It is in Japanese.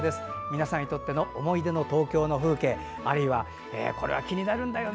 皆さんにとっての思い出の東京の風景あるいはこれは気になるんだよな